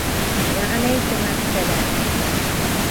Вәғәләйкүмәссәләм.